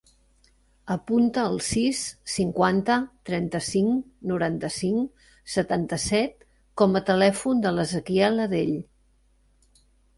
Apunta el sis, cinquanta, trenta-cinc, noranta-cinc, setanta-set com a telèfon de l'Ezequiel Adell.